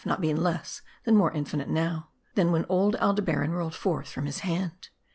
be not less than more infinite now, than when old Aldebaran rolled forth from his hand.